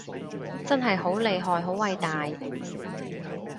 真係好厲害好偉大